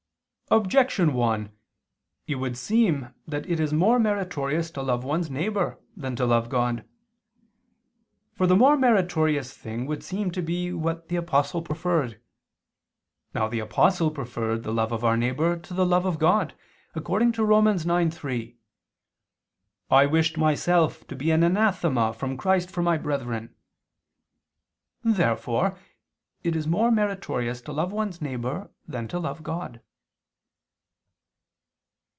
Objection 1: It would seem that it is more meritorious to love one's neighbor than to love God. For the more meritorious thing would seem to be what the Apostle preferred. Now the Apostle preferred the love of our neighbor to the love of God, according to Rom. 9:3: "I wished myself to be an anathema from Christ for my brethren." Therefore it is more meritorious to love one's neighbor than to love God.